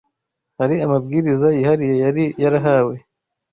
Hari amabwiriza yihariye yari yarahawe